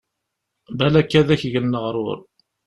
Balak ad ak-gen leɣrur.